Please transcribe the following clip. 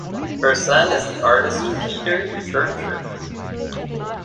Her son is the artist Peter Churcher.